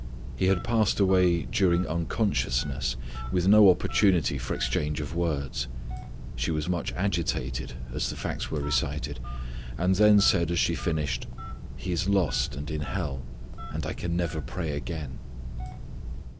He had passed away during unconsciousness, with no opportunity for exchange of words. She was much agitated as the facts were recited, and then said as she finished, "he is lost and in hell: and I can never pray again."